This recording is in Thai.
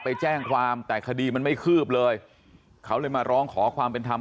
ไปแจ้งความแต่คดีมันไม่คืบเลยเขาเลยมาร้องขอความเป็นธรรม